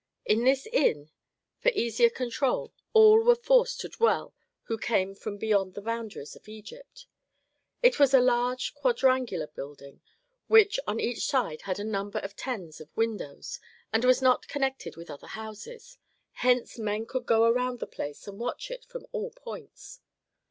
In this inn, for easier control, all were forced to dwell who came from beyond the boundaries of Egypt. It was a large quadrangular building which on each side had a number of tens of windows, and was not connected with other houses; hence men could go around the place and watch it from all points.